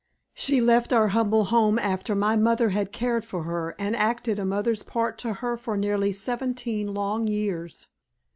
She left our humble home after my mother had cared for her and acted a mother's part to her for nearly seventeen long years.